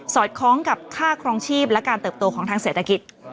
อดคล้องกับค่าครองชีพและการเติบโตของทางเศรษฐกิจ